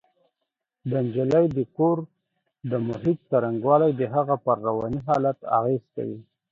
د نجلۍ د کور د محیط څرنګوالی د هغې پر رواني حالت اغېز کوي